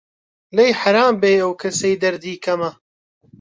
لێی حەرام بێ ئەو کەسەی دەردی کەمە